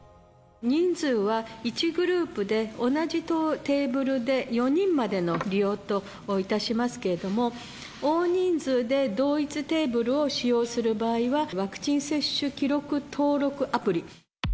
人数は１グループで同じテーブルで４人までの利用といたしますけれども、大人数で同一テーブルを使用する場合は、ワクチン接種記録登録アプリ。